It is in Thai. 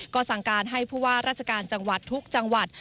ก็สั่งการให้ผู้ว่าราชการจังหวัดทุกจังหวัด